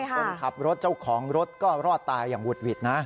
คนขับรถเจ้าของรถก็รอดตายอย่างหุดหวิดนะ